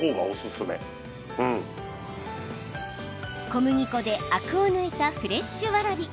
小麦粉でアクを抜いたフレッシュわらび。